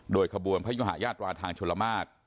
โดยขบวนพญุงหายาตรวาทางชลมาศ